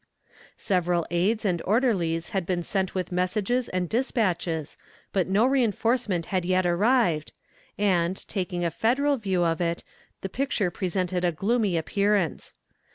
Several aides and orderlies had been sent with messages and despatches, but no reinforcement had yet arrived, and, taking a Federal view of it, the picture presented a gloomy appearance.